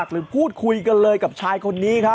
เบิร์ตลมเสียโอ้โห